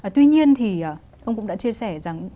tuy nhiên thì ông cũng đã chia sẻ rằng